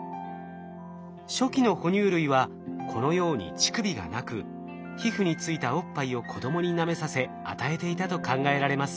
初期の哺乳類はこのように乳首がなく皮膚についたおっぱいを子供になめさせ与えていたと考えられます。